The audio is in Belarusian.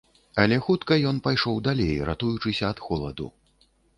Але хутка ён пайшоў далей, ратуючыся ад холаду.